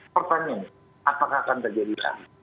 pertanyaan apakah akan terjadi